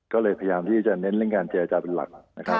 ก็เลยพยายามที่จะเน้นเรื่องการเจรจาเป็นหลักนะครับ